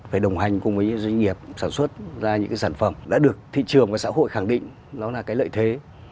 phải đồng hành cùng với doanh nghiệp sản xuất ra những sản phẩm đã được thị trường và xã hội khẳng định nó là cái lợi thế